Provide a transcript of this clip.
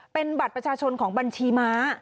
เป็นบัตรประชาชนของบัญชีม้า